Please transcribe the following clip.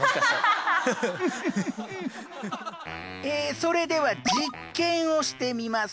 それでは実験をしてみます。